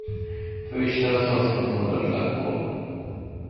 Főisten a szanszkrit mondavilágból.